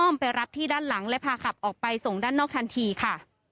ไปรับที่ด้านหลังและพาขับออกไปส่งด้านนอกทันทีค่ะ